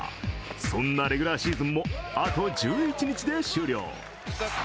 そんなレギュラーシーズンもあと１１日で終了。